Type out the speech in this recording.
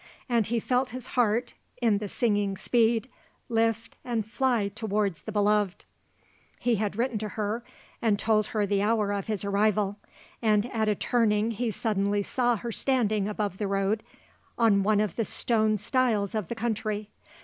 And he felt his heart, in the singing speed, lift and fly towards the beloved. He had written to her and told her the hour of his arrival, and at a turning he suddenly saw her standing above the road on one of the stone stiles of the country.